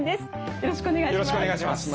よろしくお願いします。